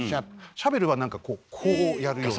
シャベルは何かこうこうやるような。